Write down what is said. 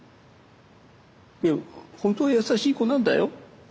いや本当は優しい子なんだよ。